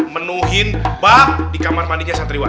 menuhin bak di kamar mandinya santriwan